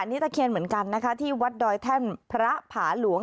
นี่ตะเคียนเหมือนกันนะคะที่วัดดอยแท่นพระผาหลวง